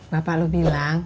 bapak lu bilang